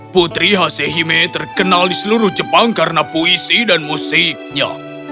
putri hasehime terkenal di seluruh jepang karena puisi dan musiknya